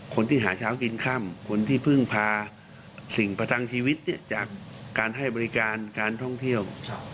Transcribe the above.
คนที่หาเช้ากินค่ำคนที่เพิ่งพาสิ่งประทังชีวิตจากการให้บริการการท่องเที่ยว